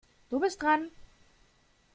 Du bist dran.